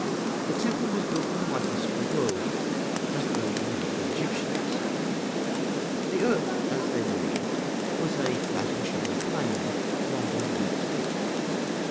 The temple was built in the likeness of the world, as the world was known to the Egyptians. The earth, as they believed, was a flat and shallow plane, longer than its width.